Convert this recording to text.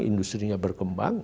industri nya berkembang